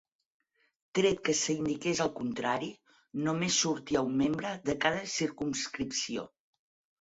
Tret que s'indiqués el contrari, només sortia un membre de cada circumscripció.